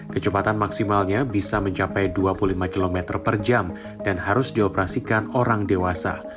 kecepatan maksimalnya bisa mencapai dua puluh lima km per jam dan harus dioperasikan orang dewasa